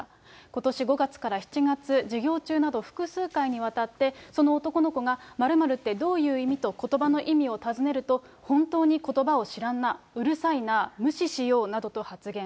ことし５月から７月、授業中など複数回にわたって、その男の子が○○ってどういう意味？と、ことばの意味を尋ねると、本当にことばを知らんな、うるさいなぁ、無視しようなどと発言。